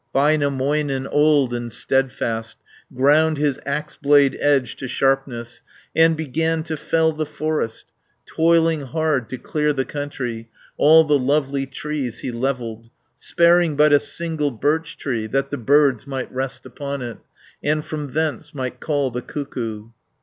Väinämöinen, old and steadfast, Ground his axe blade edge to sharpness And began to fell the forest, Toiling hard to clear the country. 260 All the lovely trees he levelled, Sparing but a single birch tree, That the birds might rest upon it, And from thence might call the cuckoo.